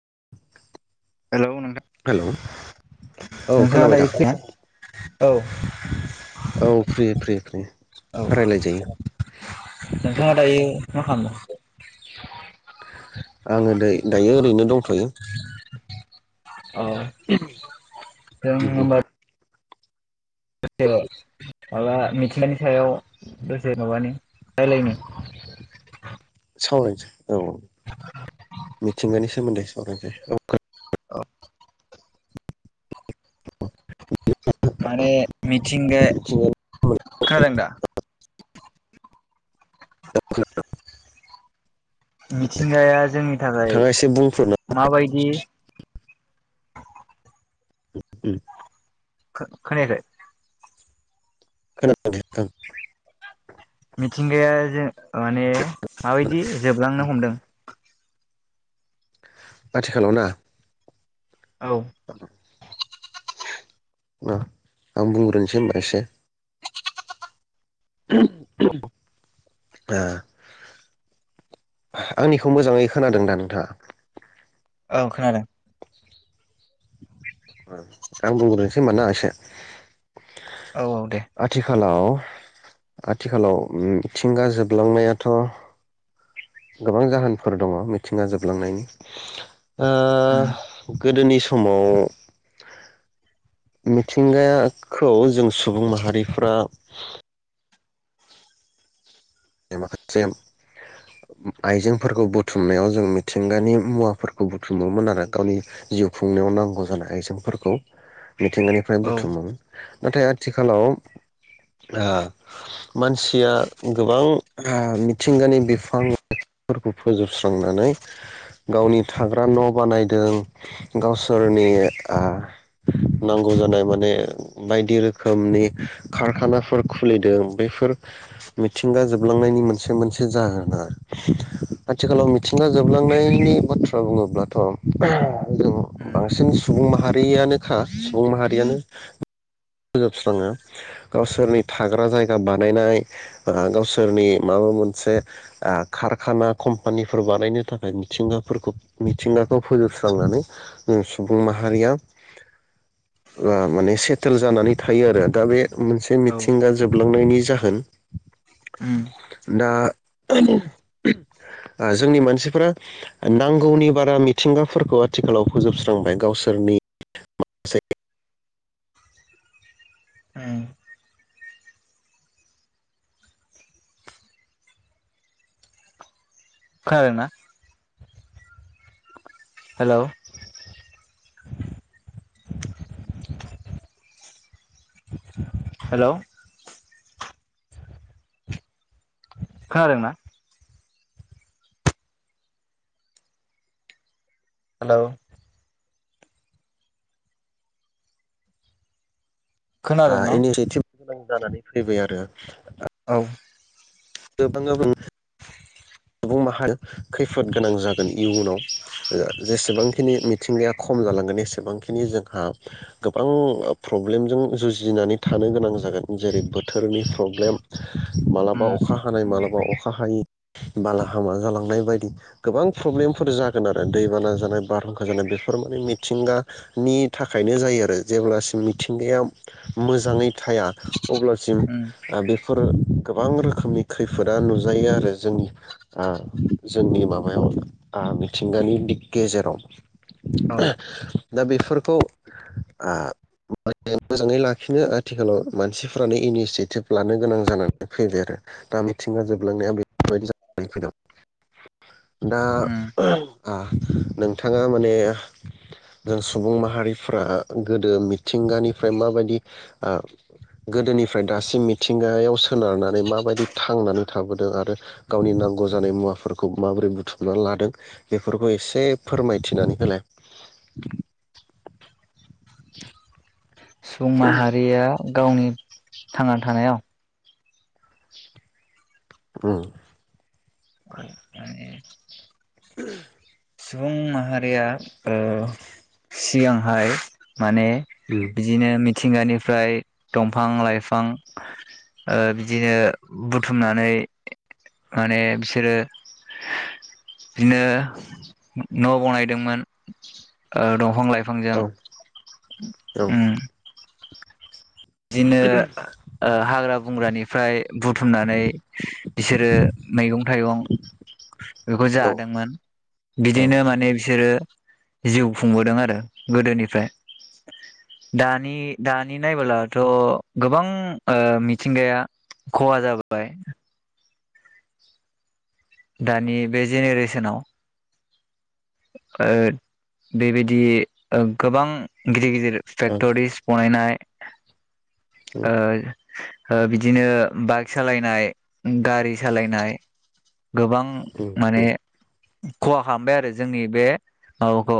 [unintelligible] Hello hello नोंथां औ नोंथाङा खोनाबाय दा दायो [unintelligible] औ औ फ्रि-फ्रि-फ्रि औ रायलायजायो नोंथाङा दायो मा खालामदों आङो दै दायो ओरैनो दंथयो औ उम जोङो उम होमबा [unintelligible] माबा मिथिंगानि सायाव दसे माबानि रायलायनि सावरायनोस औ मिथिंगानि सोमोन्दै सावरायनोसै [unintelligible] औ [unintelligible] थिंगा मिथिंगानि [unintelligible] खादोंदा [unintelligible] मिथिंगाया जोंनि थाखाय एसे बुंफोरना माबायदि उम-उम खो-खोनायाखै [unintelligible] मिथिंगाया जे माने खोनादों माबायदि जोबलांनो हमदों आथिखालाव ना औ [unintelligible] ओ आं बुंग्रोनोसै होनबा एसे [unintelligible] [unintelligible] आ आंनिखौ मोजाङै खोनादों दा नोंथाङा औ खोनादों [unintelligible] आं बुंग्रोनोसै होनबा ना एसे औ औ दे आथिखालाव औ आथिखालाव मिथिंगा जोबलांनायाथ गोबां जाहोनफोर दङ मिथिंगा जोबलांनायनि ओ उम गोदोनि सम समाव मिथिंगाया खौ जों सुबुं माहारिफ्रा माखासे आइजेंफोरखौ बुथुमनायाव जों मिथिंगानि मुवाफोरखौ बुथुमोमोन आरो गावनि जिउ खुंनायाव नांगौ जानाय आइजेंफोरखौ मिथिंगानिफ्राय औ बुथुमोमोन नाथाय आथिखालाव आ मानसिया गोबां आ मिथिंगानि बिफां लाइफांफोरखौ फोजोबस्रांनानै गावनि थाग्रा न बानायदों गावसोरनि आ नांगौ जानाय माने बायदि रोखोमनि कारखानाफोर खुलिदों बेफोर मिथिंगा जोब जोबलांनायनि मोनसे मोनसे जाहोना आथिखालाव मिथिंगा जोबलांनायनि बाथ्रा बुङोब्लाथ ओह जों उम बांसिन सुबुं माहारियानोखा सुबुं माहारियानो फोजोबस्राङो गावसोरनि थाग्रा जायगा बानायनाय ओ गावसोर सोरनि माबा मोनसे आ कारखाना कम्पानिफोर बानायनो थाखाय मिथिंगाफोरखौ मिथिंगाखौ फोजोबस्रांनानै सुबुं माहारिया ओ माने सेटेल जानानै थायो आरो दा बे मोनसे औ मिथिंगा जोबलांनायनि जाहोन उम होन [unintelligible] दा आहोम ओम जोंनि मानसिफोरा नांगौनि बारा मिथिंगाफोरखौ आथिखालाव फोजोबस्रांबाय गावसोरनि माखासे उम खोनादोंना हेलौ हेलौ खोनादों ना हेलौ आ खोनादोंना इनिथि थिब गोनां जानानै फैबाय आरो औ गोबां बां सुबुं माहार खैफोद गोनां जागोन इयुनाव जेसेबांखिनि मिथिंगाया खम जालांगोन एसेबांखिनि जोंहा गोबां प्रब्लेमजों जुजिनानै थानो गोनां जागोन जेरै बोथोरनि प्रब्लेम मालाबा उम अखा हानाय माला बा अखा हायि बालाहामा जालांनाय बायदि गोबां प्रब्लेमफोर जागोन आरो दैबाना जानाय बारहुंखा जानाय बेफोर माने मिथिंगानि थाखायनो जायो आरो जेब्लासिम मिथिंगाया मोजाङै थाया अब्लासिम उम आ बे फोर गोबां रोखोमनि खैफोदा नुजायो आरो जोंनि आ जोंनि माबायाव आ मिथिंगानि दिग गेजेराव औ [unintelligible] दा बेफोरखौ आ मोजाङै लाखिनो आथिखालाव मानसिफ्रानो इनिसियेटिभ लानो गोनां जानानै फैबाय आरो दा मिथिंगा जोबलांनाया बे बादि जानानै फैदों दा उम आ नोंथाङा माने जों सुबुं माहारिफ्रा गोदो मिथिंगानिफ्राय माबायदि आ गोदोनिफ्राय दासिम मिथिंगायाव सोनारनानै माबायदि थांनानै थाबोदों आरो गावनि नांगौ जानाय मुवाफोरखौ माबोरै बुथुमनानै लादों बेफोरखौ एसे फोरमायथिनानै होलाय सुबुं माहारिया गावनि थांना थानायाव औ औ म [unintelligible] [inaudible] सुबुं माहारिया ओ सियांहाय माने बिदिनो मि थिंगानिफ्राय दंफां लाइफां अ बिदिनो बुथुमनानै माने बिसोरो दिनो न बनायदोंमोन अ दंफां लाइ फांजों औ उ दिनो अ हाग्रा बंग्रानिफ्राय बुथुमनानै बिसोरो मैगं थाइगं बेखौ औ जादोंमोन औ बिदिनो माने बिसोरो जिउ खुंबोदों आरो गोदोनिफ्राय दानि दानि नायबोला थ गोबां अ मिथिंगाया खहा जाबाय दानि बे जेनेरेसनाव ओ बेबायदि गोबां गिदिर गिदिर औ फेक्टरिस बनायनाय अ अ बिदिनो बाइक सालायनाय गारि सालायनाय गोबां ओं उम माने उम खहा खामबाय आरो जोंनि बे माबाखौ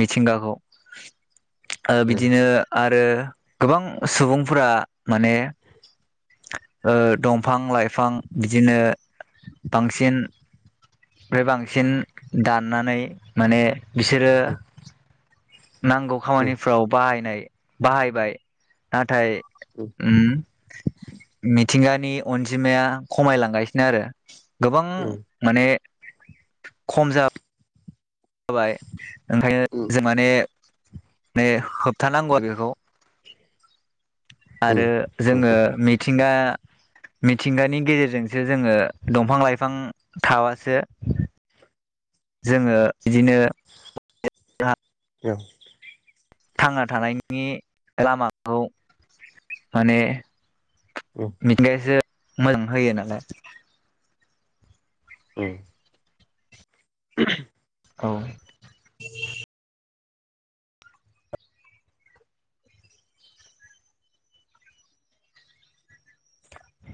मिथिंगाखौ अ उम बिदिनो आरो गोबां सुबुंफोरा माने ओ दंफां लाइ फां बिदिनो [unintelligible] ओमफ्राय बांसिन दाननानै माने बिसोरो उम नांगौ उम खामानिफ्राव बाहायनाय बाहायबाय नाथाय उम मिथिंगा नि अनजिमाया खमायलांगासिनो आरो गोबां उम माने खम जाब जाबाय ओंखायनो उम जों माने। ने होब खिथानांगौआ बेखौ। उम आरो उम जोङो मिथिंगा। मिथिंगानि गेजेरजोंसो जोङो दंफां लाइफां थाबासो। जोङो बिदिनो हा [unintelligible] औ। थांना थानायनि लामाखौ माने। उम मिथिंगायासो । मोजां होयो नालाय। उम। [inaudible] औ।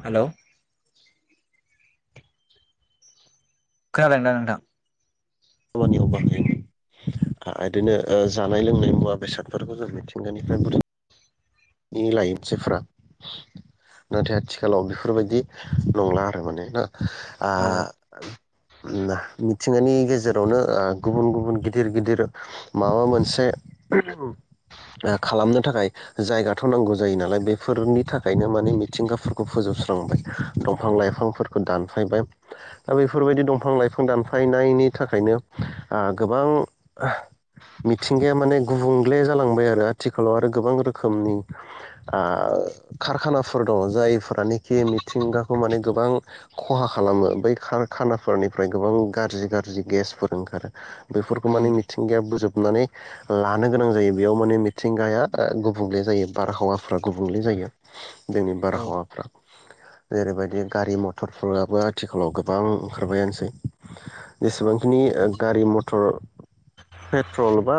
हेलौ। खोनादों दा नोंथां। खामानियाव बाहाय आं बिदिनो जानाय लोंनाय मुवा बेसादफोरखौ जों मिथिंगानिफ्राय बुथुम निलायोनसैफ्रा नाथाय आथिखालाव बेफोरबायदि नंला आरो माने ना। औ आह ओम ना मिथ थिंगानि गेजेरावनो ओह गुबुन गुबुन गिदिर गिदिर माबा मोनसे ओ खालामनो थाखाय। जायगाथ नांगौ जायो नालाय बेफोरनि थाखायनो माने मिथिंगाफोरखौ फोजोबस्रांबाय दंफां लाइफांफोरखौ दानफायबाय दा बेफोरबायदि दंफां लाइफां दानफायनायनि थाखायनो आह गोबां मिथिंगाया माने गुबुंले जालांबाय आरो आथिखालाव आरो गोबां रोखोम रोखोमनि आह कारखानाफोर दङ जायफोरानोखि मिथिंगाखौ माने गोबां खहा खालामो बै खारखानाफोरनिफ्राय गोबां गाज्रि गाज्रि गेसफोर ओंखारो। बेफोरखौ माने मिथिंगाया बोजोब नानै लानो गोनां जायो बेयाव माने मिथिंगाया ओह गुब गुबुंले जायो बारहावाफ्रा गुबुंले जायो। जोंनि बारहावाफ्रा। जेरैबायदि गारि मथरफोराबो आथिखालाव गोबां ओंखारबायानोसै। औ जेसेबांखिनि ओग गारि मथर पेट्रल बा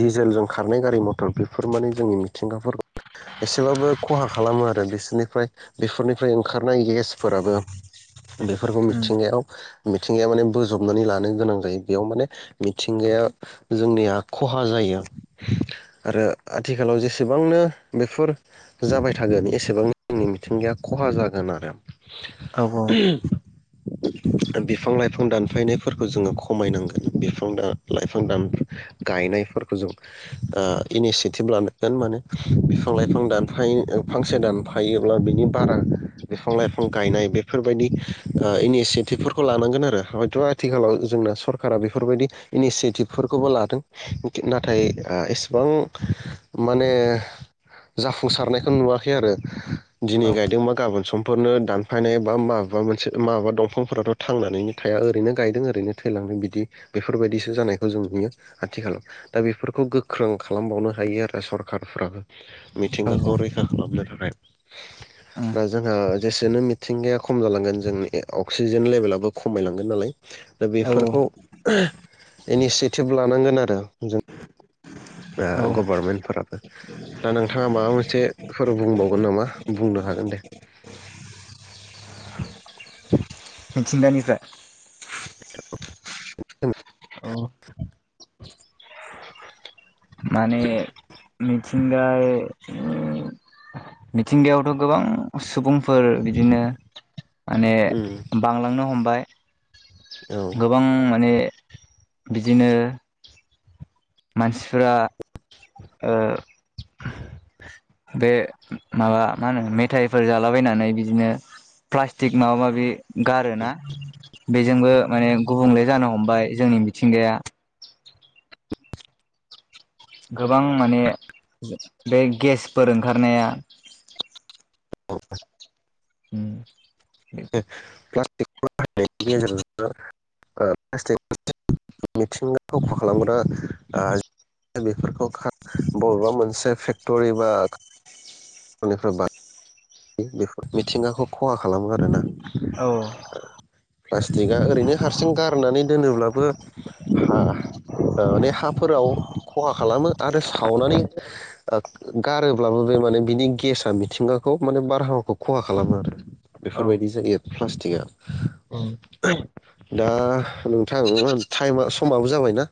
डिजेलजों खारनाय गारि मथर बेफोर माने जोंनि मिथि मिथिंगा एसेबाबो खहा खालामो आरो बिसोरनिफ्राय बेफोरनिफ्राय ओंखारनाय गेसफोराबो बेफोरखौ मिथिंगायाव मिथिंगाया माने बोजबनानै लानो गोनां जायो बेयाव माने मिथिंगाया जोंनिया खहा जायो आरो आथिखालाव जे एसेबांनो बेफोर जाबाय थागोन एसेबांनो जोंनि मिथिंगाया खहा जागोन आरो। औ औ बिफां लाइफां दानफायनायफोरखौ जोङो खमायनांगोन बिफां लाइफां गायनायफोरखौ जों इनिसियेटिभ लानो गोन माने बिफां लाइफां दानफायो फांसे दानफायोब्ला बिनि बारा बिफां लाइफां गायनाय बेफोरबायदि इनिसियेटिभफोरखौ लानांगोन आरो हयथ आथिखालाव जोंना सरकारा बेफोरबायदि इनिसियेटिभफोरखौबो लादों नाथाय एसेबां माने जाफुंसारनायखौ नुवाखै आरो। दिनै गायदोंबा गाबोन सम बे फोरनो दानफायनाय बा माबाबा मोनसे माबा दंफांफोराथ थांनानैनो थाया ओरैनो गायदों ओरैनो थैलांदों बिदि बेफोरबायदिसो जानायखौ जों नुयो आथिखालाव दा बेफोरखौ गोख्रों खालामबावनो हायो आरो सरखारफ्राबो औ मिथिंगाखौ रैखा खालामनो था [unintelligible] दा जोंओ जेसेनो मिथिंगाया खम जालांगोन जों अक्सिजेन लेभेलाबो खमायलांगोन नालाय दा औ बेफोरखौ इनिसियेटिभ लानांगोन आरो जों औ गभारमेन्टफोराबो दा नोंथाङा माबा मोनसेफोर बुंबावगोन नामा बुंनो हागोन दे मिथिंगानिफ्राय उम औ माने मिथिंगाय मिथिंगायावथ' गोबां सुबुं फोर बिदिनो माने बांलांनो हमबाय औ गोबां माने बिदिनो मानसिफोरा ओ बे माबा मा होनो मेथाइफोर जालाबायनानै बिदिनो प्लास्टिक माबा माबि गारोना बेजोंबो माने गुबुंले जानो हमबाय जोंनि मिथिंगाया गोबां माने बे गेसफोर ओंखारनाया औ उम प्लास्ट [unintelligible] मिथिंगाखा खालामग्रा बेफोरखौ बबेबा मोनसे फेक्टरि बा [unintelligible] बेफोर मिथिंगाखौ खहा खालामो आरोना औ प्लास्टिकआ ओरैनो हारसिं गारनानै दोनोब्ला हा माने हाफोराव खहा खालामो आरो सावनानै गारोब्लाबो बे माने बिनि गेसा मिथिङाव खौ माने बारहावाखौ खहा खालामो आरो औ बेफोरबायदि जायो प्लास्टिकआ दा [unintelligible] ताइमा समाबो जाबाय ना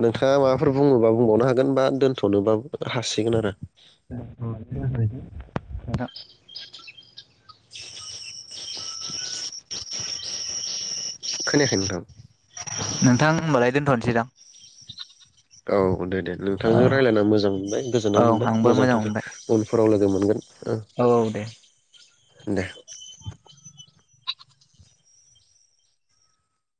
नोंथाङा माबाफोर बुङोबा बुंबावनो हागोन बा दोनथनोबो हासिगोन आरो दा खोनायाखै नोंथां नोंथां होनबालाय दोनथनो सैदां औ औ दे दे नोंथांजों रायज्लायना मोजां मोनबाय गोजोननाय औ मोनबाय आंबो मोजां थाय मोनबाय उनफोराव लोगो मोनगोन औ औ दे दे